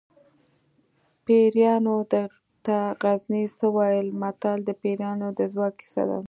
پیریانو ته غزني څه وي متل د پیریانو د ځواک کیسه ده